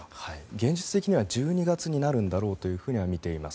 現実的には１２月になるだろうとはみています。